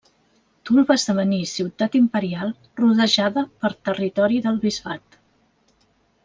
Toul va esdevenir ciutat imperial rodejada per territori del bisbat.